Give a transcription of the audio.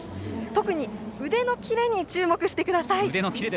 特に腕のキレに注目してください。